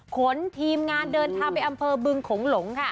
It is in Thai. ขนทีมงานเดินทางไปอำเภอบึงโขงหลงค่ะ